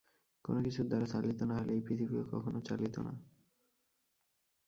কোন কিছুর দ্বারা চালিত না হইলে এই পৃথিবীও কখনও চলিত না।